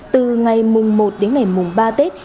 từ ngày mùng một đến ngày mùng ba tết